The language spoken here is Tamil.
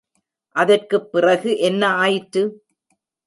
அதற்குப் பிறகு என்ன ஆயிற்று?